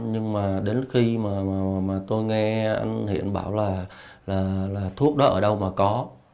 nhưng mà đến khi mà tôi nghe anh hiển bảo là thuốc đó ở đâu mà có